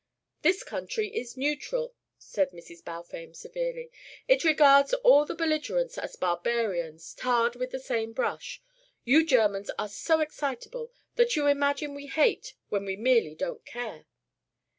"This country is neutral," said Mrs. Balfame severely. "It regards all the belligerents as barbarians tarred with the same brush. You Germans are so excitable that you imagine we hate when we merely don't care."